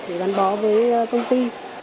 để gắn bó với công ty